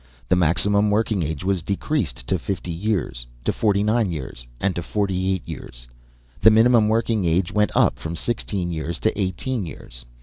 The maximum working age was decreased to fifty years, to forty nine years, and to forty eight years. The minimum working age went up from sixteen years to eighteen years.